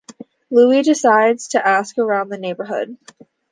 Louis decides to ask around the neighborhood.